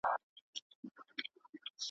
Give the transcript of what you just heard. یوه ځوان وو په خپل کور کي سپی ساتلی `